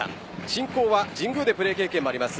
進行は神宮でプレー経験もあります